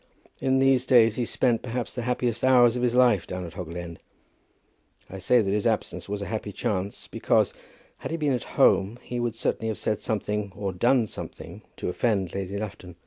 In these days he spent, perhaps, the happiest hours of his life down at Hoggle End. I say that his absence was a happy chance, because, had he been at home, he would certainly have said something, or done something, to offend Lady Lufton.